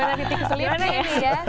gimana titik selipnya nih ya